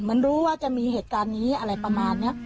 เหมือนรู้ว่าจะมีเหตุการณ์นี้อะไรประมาณนี้